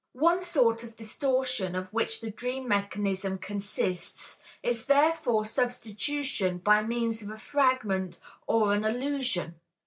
One sort of distortion of which the dream mechanism consists is therefore substitution by means of a fragment or an allusion.